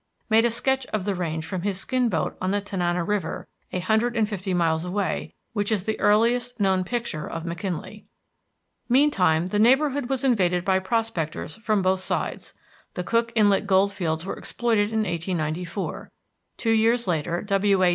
made a sketch of the range from his skin boat on the Tanana River, a hundred and fifty miles away, which is the earliest known picture of McKinley. Meantime the neighborhood was invaded by prospectors from both sides. The Cook Inlet gold fields were exploited in 1894. Two years later W.A.